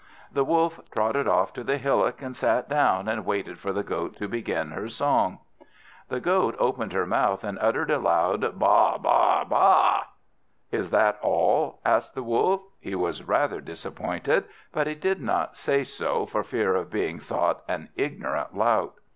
The Wolf trotted off to the hillock, and sat down, and waited for the Goat to begin her song. The Goat opened her mouth, and uttered a loud "Baa baa baa!" "Is that all?" asked the Wolf. He was rather disappointed, but he did not say so, for fear of being thought an ignorant lout.